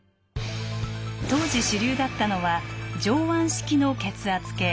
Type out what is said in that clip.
当時主流だったのは上腕式の血圧計。